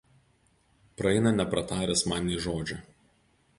Praeina neprataręs man nė žodžio